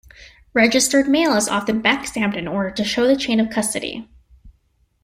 Registered mail is often backstamped in order to show the chain of custody.